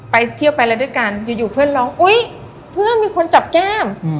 ไปเที่ยวไปอะไรด้วยกันอยู่เพื่อนร้องอุ๊ยเพื่อนมีคนจับแก้ม